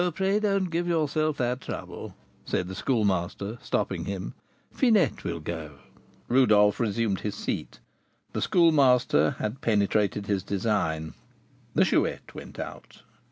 "Pray don't give yourself that trouble," said the Schoolmaster, stopping him; "Finette will go." Rodolph resumed his seat. The Schoolmaster had penetrated his design. The Chouette went out.